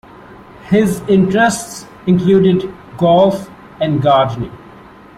His interests included golf and gardening.